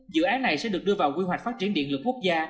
dự án này sẽ được đưa vào quy hoạch phát triển điện lực quốc gia